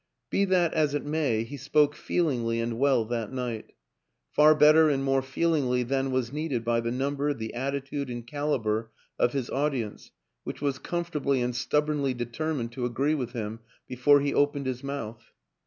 Be that as it may, he spoke feelingly and well that night; far better and more feelingly than was needed by the number, the attitude and caliber of his audience, which was comfortably and stub bornly determined to agree with him before he opened his mouth.